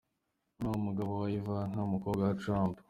Ni umugabo wa Ivanka, umukobwa wa Trump.